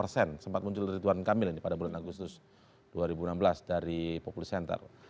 sempat muncul rituan kamil ini pada bulan agustus dua ribu enam belas dari populi center